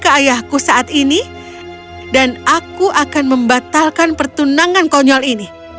kalau kau memang menganggap dirimu begitu terhina di kerajaan dan istana yang jelek ini